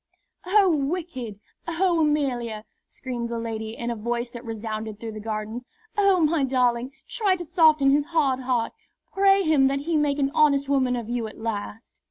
"Oh, wicked! Oh, Amelia!" screamed the lady, in a voice that resounded through the Gardens. "Oh, my darling, try to soften his hard heart; pray him that he make an honest woman of you at last."